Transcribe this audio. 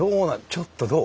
ちょっとどう？